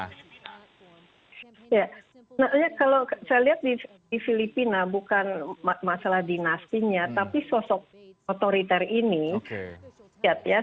ya kalau saya lihat di filipina bukan masalah dinastinya tapi sosok otoriter ini